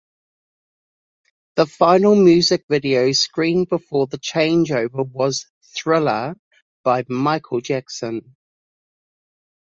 The final music video screened before the changeover was "Thriller" by Michael Jackson.